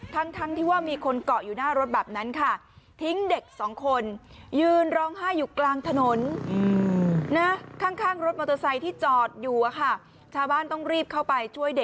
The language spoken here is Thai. ทั้งที่ว่ามีคนเกาะอยู่หน้ารถแบบนั้นค่ะ